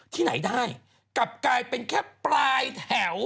ที่ไหนได้กลับกลายเป็นแค่ปลายแถว